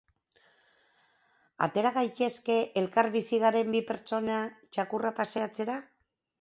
Atera gaitezke elkar bizi garen bi pertsona txakurra paseatzera?